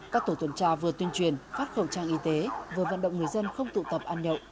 các tổ tuần tra vừa tuyên truyền phát khẩu trang y tế vừa vận động người dân không tụ tập ăn nhậu